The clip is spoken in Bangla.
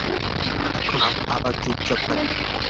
খানিকক্ষণ আবার চুপচাপ কাটল।